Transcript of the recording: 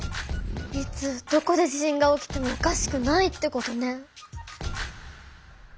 いつどこで地震が起きてもおかしくないってことね。